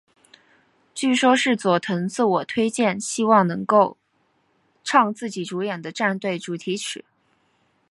据说是佐藤自我推荐希望能够唱自己主演的战队主题曲。